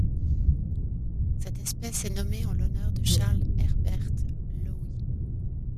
Cette espèce est nommée en l'honneur de Charles Herbert Lowe.